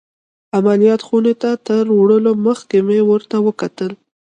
عمليات خونې ته تر وړلو مخکې مې ورته وکتل.